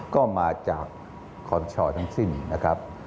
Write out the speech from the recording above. ก็มาจากคอนชทั้งสิ้นนะครับ